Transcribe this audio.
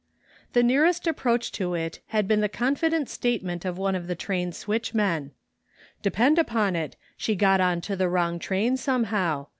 The nearest approach to it had been the confident statement of one of the train switchmen :" Depend upon it, she got on to the wrong train somehow.